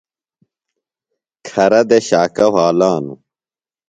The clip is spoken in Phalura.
کھرہ دےۡ شاکہ وھالانوۡ۔